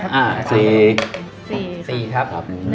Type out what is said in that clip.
๔๔ครับ